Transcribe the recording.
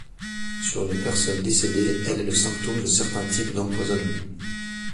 Sur une personne décédée, elle est le symptôme de certains types d'empoisonnement.